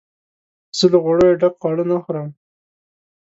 زه له غوړیو ډک خواړه نه خورم.